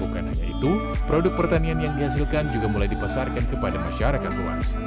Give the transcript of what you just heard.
bukan hanya itu produk pertanian yang dihasilkan juga mulai dipasarkan kepada masyarakat luas